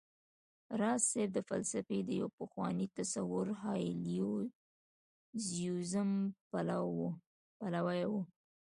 راز صيب د فلسفې د يو پخواني تصور هايلو زوييزم پلوی و